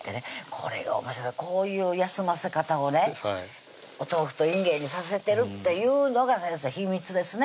これがおもしろいこういう休ませ方をねお豆腐といんげんにさせてるっていうのが先生秘密ですね